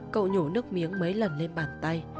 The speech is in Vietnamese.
cậu nhổ nước miếng mấy lần lên bàn tay